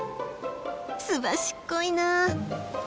すばしっこいなあ！